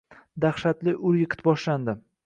Dahshatli ur-yiqit boshlandi